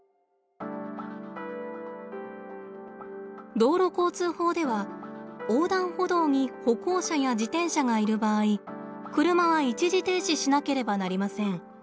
道路交通法では横断歩道に歩行者や自転車がいる場合車は一時停止しなければなりません。